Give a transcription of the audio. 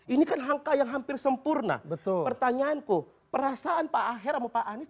inikan hangka yang hampir sempurna betul pertanyaanku perasaan pak aher ngopi anies